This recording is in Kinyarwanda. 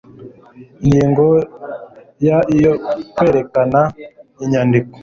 ingingo ya iyo kwerekana inyandiko